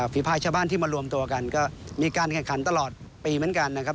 ฝีภายชาวบ้านที่มารวมตัวกันก็มีการแข่งขันตลอดปีเหมือนกันนะครับ